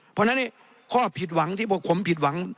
เพราะฉะนั้นข้อผิดหวังที่พวกผมผิดหวัง